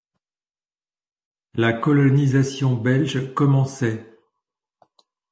La colonisation belge commençait.